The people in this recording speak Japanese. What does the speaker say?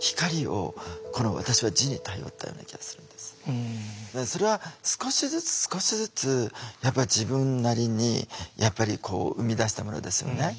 苦しいものだけからそれは少しずつ少しずつやっぱ自分なりにやっぱりこう生み出したものですよね。